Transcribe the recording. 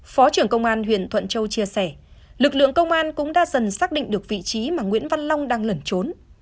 phó trưởng công an huyện thuận châu chia sẻ lực lượng công an cũng đã dần xác định được vị trí mà nguyễn văn long đang lẩn trốn